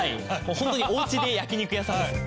ホントにおうちで焼肉屋さんですよ。